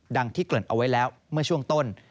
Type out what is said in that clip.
ที่เกริ่นเอาไว้แล้วเมื่อช่วงต้น